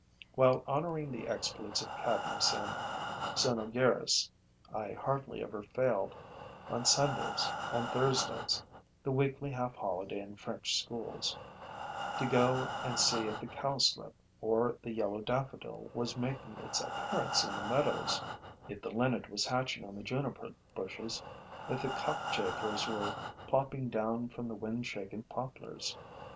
While honoring the exploits of Cadmus and Cynoegirus, I hardly ever failed, on Sundays and Thursdays [the weekly half holiday in French schools], to go and see if the cowslip or the yellow daffodil was making its appearance in the meadows, if the Linnet was hatching on the juniper bushes, if the Cockchafers were plopping down from the wind shaken poplars.